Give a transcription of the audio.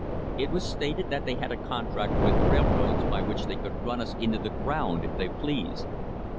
It was stated that they had a con tract with railroads by which they could run us into the ground if they pleased.